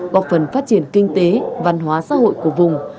góp phần phát triển kinh tế văn hóa xã hội của vùng